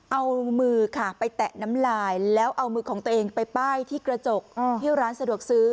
เอามือค่ะไปแตะน้ำลายแล้วเอามือของตัวเองไปป้ายที่กระจกที่ร้านสะดวกซื้อ